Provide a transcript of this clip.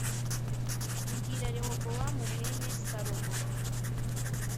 “Bwira Rehobowamu mwene Salomo